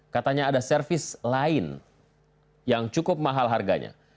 katanya ada servis lain yang cukup mahal harganya